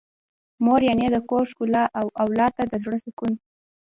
مور يعنې د کور ښکلا او اولاد ته د زړه سکون.